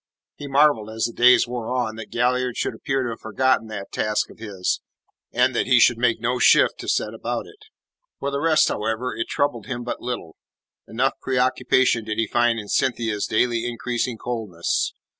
He marvelled, as the days wore on, that Galliard should appear to have forgotten that task of his, and that he should make no shift to set about it. For the rest, however, it troubled him but little; enough preoccupation did he find in Cynthia's daily increasing coldness.